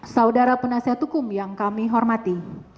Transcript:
saudara penasihat hukum yang kami hormati